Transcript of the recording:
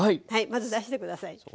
はいまず出してください。